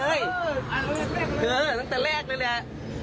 อื้อเรียกตั้งแต่แรกเลย